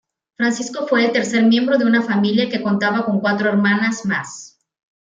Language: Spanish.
Francisco fue el tercer miembro de una familia que contaba con cuatro hermanas más.